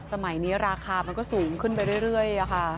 สมัยนี้ราคามันก็สูงขึ้นไปเรื่อยค่ะ